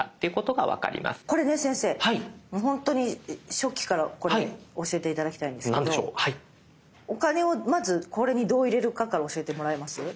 本当に初期からこれ教えて頂きたいんですけどお金をまずこれにどう入れるかから教えてもらえます？